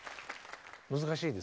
難しいですか？